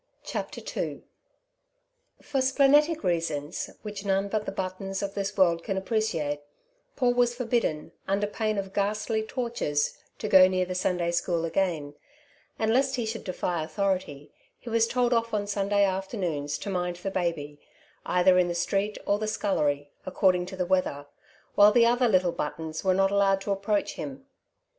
CHAPTER II FOR splenetic reasons which none but the Buttons of this world can appreciate, Paul was forbidden, under pain of ghastly tortures, to go near the Sunday school again, and, lest he should defy authority, he was told off on Sunday afternoons to mind the baby, either in the street or the scullery, according to the weather, while the other little Buttons were not allowed to approach him.